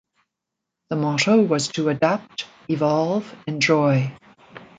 The motto was to Adapt, Evolve, Enjoy!